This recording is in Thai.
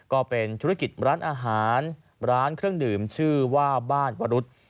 ก็เป็นธุรกิจร้านอาหารร้านเครื่องดื่มชื่อว่าบ้านวรุษ